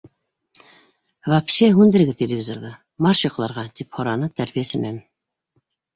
Вообще һүндерегеҙ телевизорҙы, марш йоҡларға! — тип һораны тәрбиәсенән.